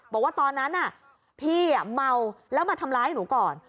บอกว่าตอนนั้นพี่เมาแล้วมาทำร้ายหนูก่อน